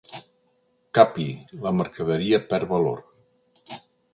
Capi, la mercaderia perd valor.